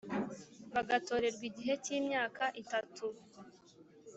bagatorerwa igihe cy imyaka itatu